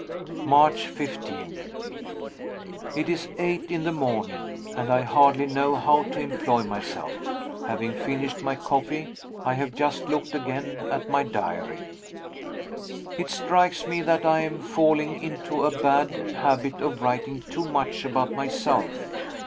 March 15. It is eight in the morning and I hardly know how to employ myself. Having finished my coffee, I have just looked again at my diary. It strikes me that I am falling into a bad habit of writing too much about myself.